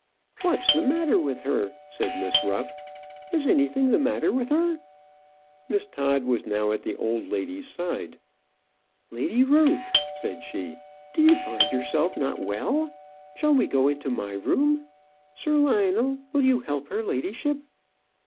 "What is the matter with her?" said Miss Ruff. "Is anything the matter with her?" Miss Todd was now at the old lady's side. "Lady Ruth," said she, "do you find yourself not well? Shall we go into my room? Sir Lionel, will you help her ladyship?"